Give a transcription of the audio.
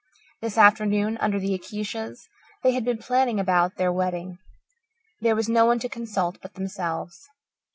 This afternoon, under the acacias, they had been planning about their wedding. There was no one to consult but themselves.